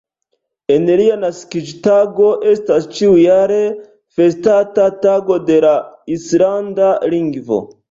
En lia naskiĝtago estas ĉiujare festata Tago de la islanda lingvo.